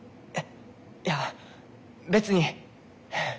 いや別に。